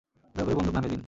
দয়া করে বন্দুক নামিয়ে দিন।